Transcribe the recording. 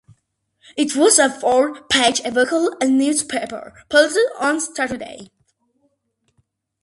It was a four-page weekly newspaper, published on Saturdays.